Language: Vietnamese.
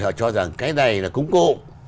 họ cho rằng cái này là cúng cộ